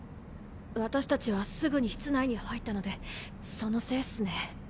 私たちはすぐに室内に入ったのでそのせいっすね。